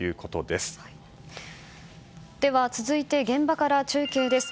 では続いて現場から中継です。